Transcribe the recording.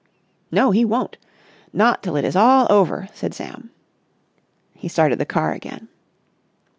"No, he won't. Not till it is all over," said Sam. He started the car again.